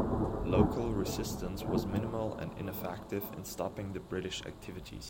Local resistance was minimal and ineffective in stopping the British activities.